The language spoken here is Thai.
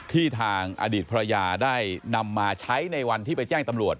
ทางอดีตภรรยาได้นำมาใช้ในวันที่ไปแจ้งตำรวจ